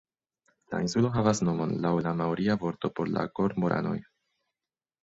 La insulo havas nomon laŭ la maoria vorto por la kormoranoj.